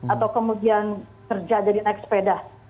atau kemudian kerja jadi naik sepeda